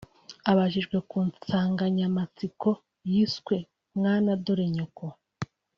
Abajijwe ku nsanganyamatsiko yiswe ‘ Mwana Dore Nyoko’